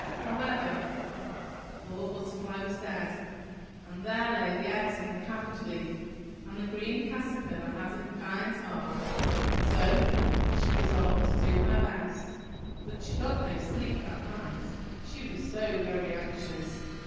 However, the poor Butterfly was dead, and there lay the eggs on the cabbage leaf; and the green Caterpillar had a kind heart, so she resolved to do her best. But she got no sleep that night, she was so very anxious.